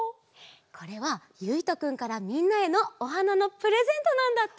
これはゆいとくんからみんなへのおはなのプレゼントなんだって。